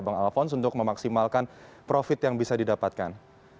bang alphonse untuk memaksimalkan profit yang bisa didapatkan